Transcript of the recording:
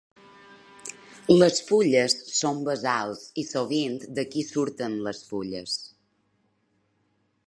Les fulles són basals i sovint d'aquí surten les fulles.